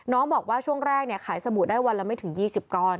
น้องบอกว่าช่วงแรกขายสบู่ได้วันละไม่ถึง๒๐ก้อน